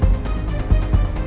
aku jadi penasaran